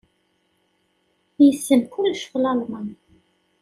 Yessen kullec ɣef Lalman.